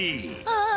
ああ